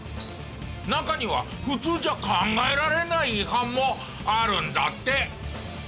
中には普通じゃ考えられない違反もあるんだって。